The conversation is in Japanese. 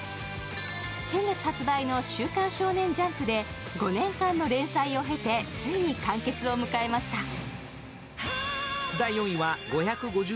先月発売の「週刊少年ジャンプ」で５年間の連載を経て、ついに完結を迎えました。